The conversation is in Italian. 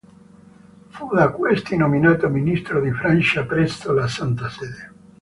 Fu da questi nominato ministro di Francia presso la Santa Sede.